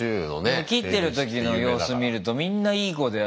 でも切ってる時の様子見るとみんないい子で。